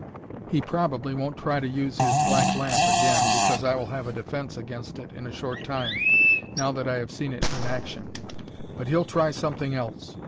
He probably won't try to use his black lamp again, because I will have a defence against it in a short time, now that I have seen it in action, but he'll try something else.